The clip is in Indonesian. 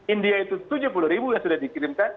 india itu tujuh puluh ribu yang sudah dikirimkan